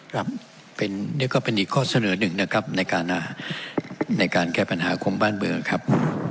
ครับนี่ก็เป็นอีกข้อเสนอหนึ่งนะครับในการในการแก้ปัญหาของบ้านเมืองครับ